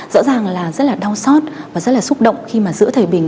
rõ ràng là rất là đau xót và rất là xúc động khi mà giữa thời bình